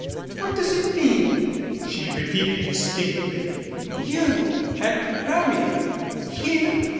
"What does it mean?" she repeated distinctly. "You 235 MADCAP and Hermia here?